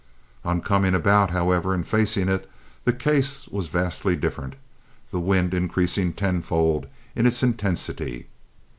On coming about, however, and facing it, the case was vastly different, the wind increasing tenfold in its intensity.